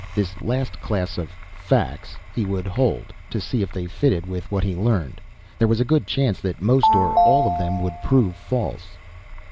This last class of "facts" he would hold, to see if they fitted with what he learned. There was a good chance that most, or all, of them would prove false.